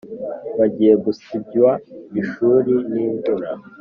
Bagiye gusibywa ishuri n’imvura